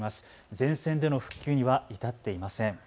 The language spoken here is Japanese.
全線での復旧には至っていません。